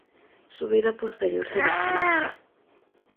Su vida posterior se desconoce.